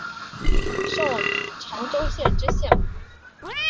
授长洲县知县。